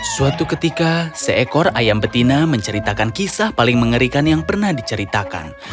suatu ketika seekor ayam betina menceritakan kisah paling mengerikan yang pernah diceritakan